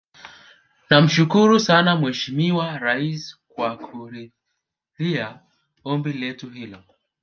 Namshukuru sana Mheshimiwa Rais kwa kuridhia ombi letu hilo